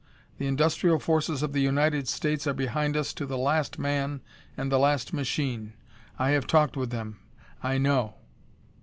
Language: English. The industrial forces of the United States are behind us to the last man and the last machine. I have talked with them. I know!